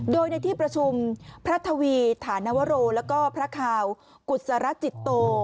โดยในที่ประชุมพระทวีฐานวโรแล้วก็พระคาวกุศรจิตโต